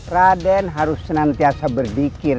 raden harus senantiasa berdikir